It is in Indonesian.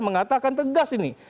mengatakan tegas ini